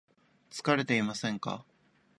疲れていませんか